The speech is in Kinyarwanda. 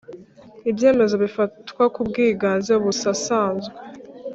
Ibyemezo bifatwa ku bwiganze busasanzwe